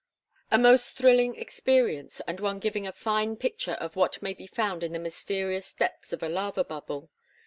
A most thrilling experience, and one giving a fine picture of what may be found in the mysterious depths of a lava bubble.